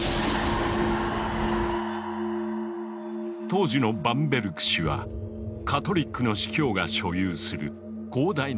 当時のバンベルク市はカトリックの司教が所有する広大な領地の一部。